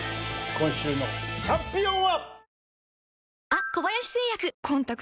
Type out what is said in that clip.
今週のチャンピオンは。